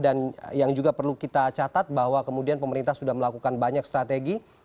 dan yang juga perlu kita catat bahwa kemudian pemerintah sudah melakukan banyak strategi